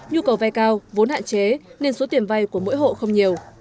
nhu cầu vay cao vốn hạn chế nên số tiền vay của mỗi hộ không nhiều